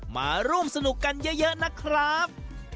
มาร่วมสนุกกันเยอะนะครับ